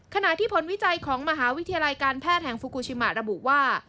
ขณะที่ผลวิจัยของมหาวิทยาลัยการแพทย์แห่งฟูกูชิมะระบุว่า